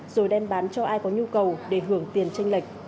rồi đem bán cho ai có nhu cầu để hưởng tiền tranh lệch